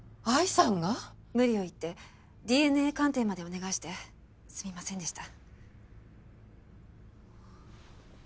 無理を言ってＤＮＡ鑑定までお願いしてすみませんでした。